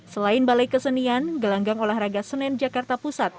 selain balai kesenian gelanggang olahraga senen jakarta pusat